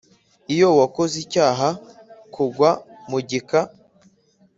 Iyo uwakoze icyaha k ugwa mu gika